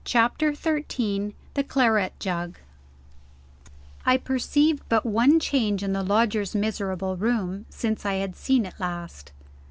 CHAPTER XIII THE CLARET JUG I perceived but one change in the Lodger's miserable room, since I had seen it last.